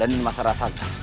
dan di masalah satan